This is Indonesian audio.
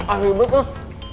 ambil dulu tuh